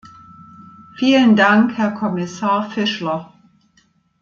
Vielen Dank, Herr Kommissar Fischler!